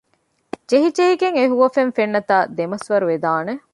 ޖެހިޖެހިގެން އެހުވަފެން ފެންނަތާ ދެމަސްވަރުވެދާނެ